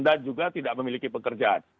dan juga tidak memiliki pekerjaan